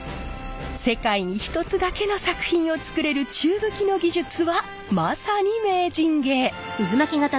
世界に一つだけの作品をつくれる宙吹きの技術はまさに名人芸！